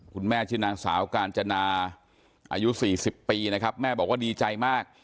คุณแม่ชื่อนางสาวกาญจนาอายุ๔๐ปีนะครับแม่บอกว่าดีใจมาก